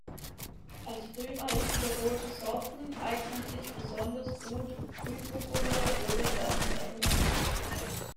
Als früh reifende rote Sorten eignen sich besonders gut Frühburgunder oder Dornfelder.